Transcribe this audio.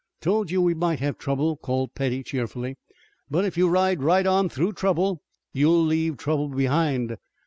"Told you we might have trouble," called Petty, cheerfully, "but if you ride right on through trouble you'll leave trouble behind.